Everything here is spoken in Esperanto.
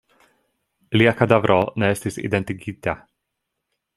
Lia kadavro ne estis identigita.